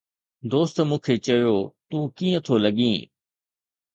دوست مون کي چيو: ”تون ڪيئن ٿو لڳين؟